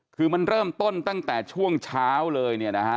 คือมันเริ่มต้นตั้งแต่ช่วงเช้าเลยเนี่ยนะฮะ